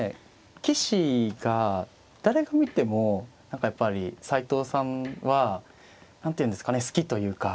棋士が誰が見ても何かやっぱり斎藤さんは何ていうんですかね好きというか。